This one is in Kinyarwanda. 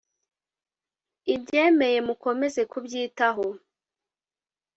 Ibyemeye mukomeze kubyitaho.